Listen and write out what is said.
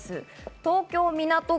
東京・港区